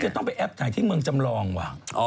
จะต้องไปแอปถ่ายที่เมืองจำลองว่ะ